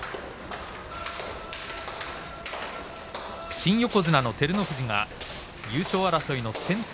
新横綱の照ノ富士が優勝争いの先頭。